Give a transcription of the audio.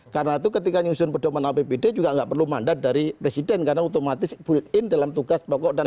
karena itu ketika nyusun pedoman apbd juga tidak perlu mandat dari presiden karena otomatis built in dalam tugas pokok dan tinggi